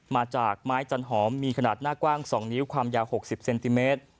มาจากไม้จันหอมมีขนาดหน้ากว้าง๒นิ้วความยาว๖๐เซนติเมตร